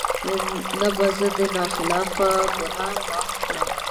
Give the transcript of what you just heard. نه به زه د نا خلف ګناه معاف کړم